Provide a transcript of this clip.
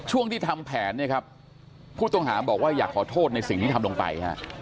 ช่วงที่ทำแผนเนี่ยครับผู้ต้องหาบอกว่าอยากขอโทษในสิ่งที่ทำลงไปฮะ